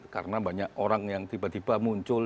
karena banyak orang yang tiba tiba muncul